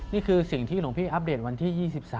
นี่คือสิ่งที่หลวงพี่อัปเดตวันที่๒๓